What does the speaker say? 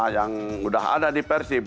yang udah ada di persib